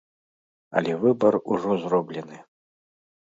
Але выбар ужо зроблены.